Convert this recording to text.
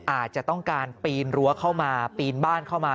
อาจจะต้องการปีนรั้วเข้ามาปีนบ้านเข้ามา